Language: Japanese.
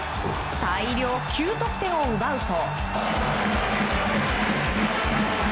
大量９得点を奪うと。